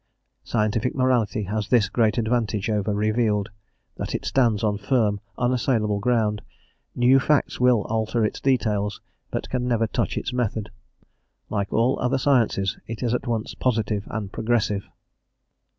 Scientific morality has this great advantage over revealed, that it stands on firm, unassailable ground; new facts will alter its details, but can never touch its method; like all other sciences, it is at once positive and progressive.